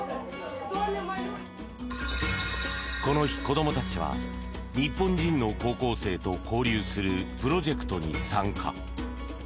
この日、子供たちは日本人の高校生と交流するプロジェクトに参加。